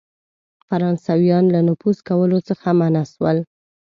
فرانسیویان له نفوذ کولو څخه منع سول.